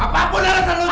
apa pun ada salah lo jah